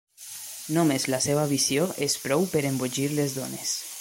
Només la seva visió és prou per embogir les dones.